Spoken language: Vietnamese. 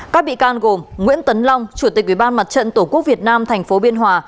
các bị can gồm nguyễn tấn long chủ tịch ủy ban mặt trận tổ quốc việt nam tp biên hòa